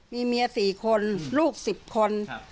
มีเมีย๔คนลูก๑๐คน